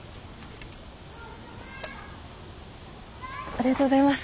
ありがとうございます。